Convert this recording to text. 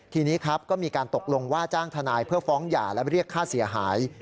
ทีนี้ครับก็มีการตกลงว่าจ้างทนายเพื่อฟ้องหย่าและเรียกค่าเสียหาย